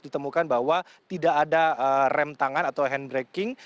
ditemukan bahwa tidak ada rem tangan atau handbreaking